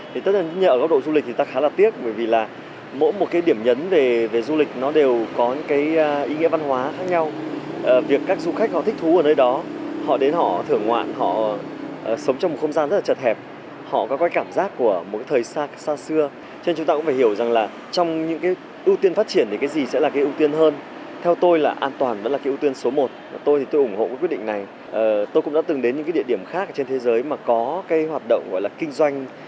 thì tất nhiên ở góc độ du lịch thì ta khá là tiếc bởi vì là mỗi một cái điểm nhấn về du lịch nó đều có những cái ý nghĩa văn hóa khác nhau việc các du khách họ thích thú ở nơi đó họ đến họ thưởng ngoạn họ sống trong một không gian rất là chật hẹp họ có cái cảm giác của một cái thời xa xưa cho nên chúng ta cũng phải hiểu rằng là trong những cái ưu tiên phát triển thì cái gì sẽ là cái ưu tiên hơn theo tôi là an toàn vẫn là cái ưu tiên số một tôi thì tôi ủng hộ cái quyết định này tôi cũng đã từng đến những cái địa điểm khác trên thế giới mà có cái hoạt động gọi là kinh doanh